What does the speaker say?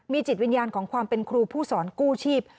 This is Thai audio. จิตวิญญาณของความเป็นครูผู้สอนกู้ชีพ